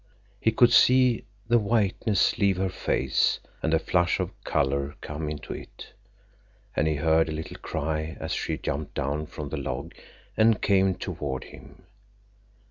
_ He could see the whiteness leave her face and a flush of color come into it, and he heard a little cry as she jumped down from the log and came toward him.